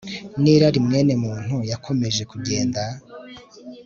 nirari mwene muntu yakomeje kugenda